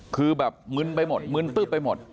คือแบบมื้นไปหมดมื้นปื๊บไปหมด